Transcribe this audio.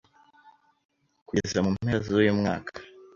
kugeza mu mpera z’uyu mwaka,